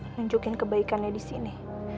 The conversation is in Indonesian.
nunjukin kebaikan nya disini